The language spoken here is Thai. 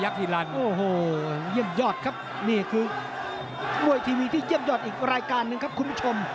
ฮีรันโอ้โหเยี่ยมยอดครับนี่คือมวยทีวีที่เยี่ยมยอดอีกรายการหนึ่งครับคุณผู้ชม